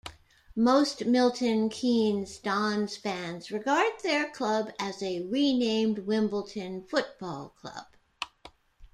Most Milton Keynes Dons fans regard their club as a renamed Wimbledon football club.